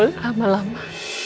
tidak boleh lama lama